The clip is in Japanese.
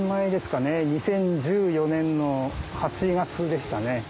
２０１４年の８月でしたね。